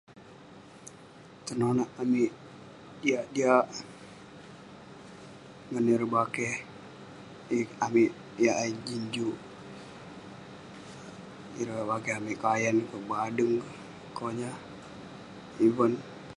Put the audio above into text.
Tenonak amik jiak jiak ngan ireh bakeh amik yah jin juk. Ireh bakeh amik kayan kek, badeng kek, konyah, ivan.